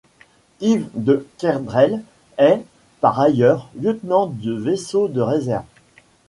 Yves de Kerdrel est, par ailleurs, lieutenant de vaisseau de réserve.